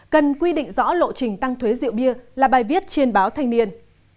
cần quy định rõ lộ trình tăng thuế rượu bia là bài viết trên báo thanh niên